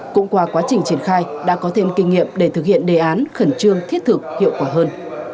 cũng qua quá trình triển khai đã có thêm kinh nghiệm để thực hiện đề án khẩn trương thiết thực hiệu quả hơn